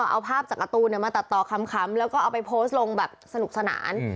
เอาภาพจากการ์ตูนมาตัดต่อคำแล้วก็เอาไปโพสต์ลงแบบสนุกสนาน